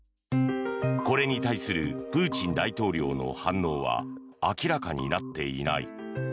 これに対するプーチン大統領の反応は明らかになっていない。